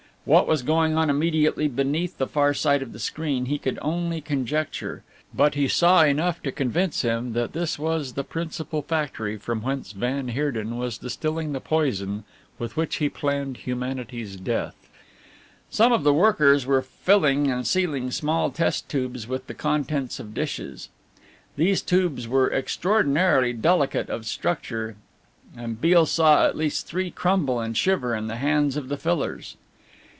What was going on immediately beneath the far side of the screen he could only conjecture. But he saw enough to convince him that this was the principal factory, from whence van Heerden was distilling the poison with which he planned humanity's death. Some of the workers were filling and sealing small test tubes with the contents of dishes. These tubes were extraordinarily delicate of structure, and Beale saw at least three crumble and shiver in the hands of the fillers.